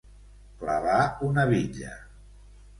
Clavar una bitlla.